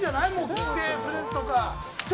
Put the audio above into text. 帰省するとか。